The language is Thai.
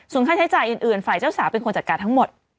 ส่วนค่าใช้จ่ายอื่นฝ่ายเจ้าสาวเป็นคนจัดการทั้งหมด